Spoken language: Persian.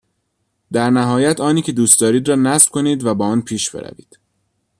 در نهایت آنی که دوست دارید را نصب کنید و با آن پیش بروید.